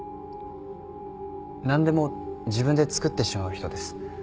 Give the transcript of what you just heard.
何でも自分でつくってしまう人です。